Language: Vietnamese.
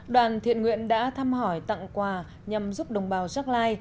đoàn thiện nguyện đã thăm hỏi tặng quà nhằm giúp đồng bào gia lai